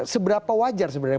seberapa wajar sebenarnya